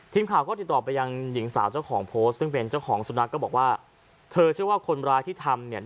ทีมข่าวก็ติดต่อไปยังหญิงสาวเจ้าของโพสต์ซึ่งเป็นเจ้าของสุนัขก็บอกว่าเธอเชื่อว่าคนร้ายที่ทำเนี่ย